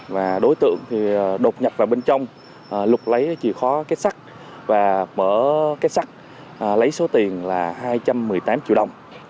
và đối tượng thì đột nhập vào bên trong lục lấy chìa khóa kết sắt và mở kết sắt lấy số tiền là hai trăm một mươi tám triệu đồng